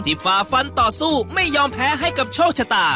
ฝ่าฟันต่อสู้ไม่ยอมแพ้ให้กับโชคชะตา